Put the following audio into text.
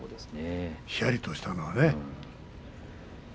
ひやりとしたのはね。